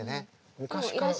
昔から。